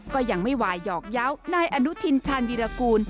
ก็ยังไม่วายหยอกเยาว์นายอนุทินชาญวีรกูล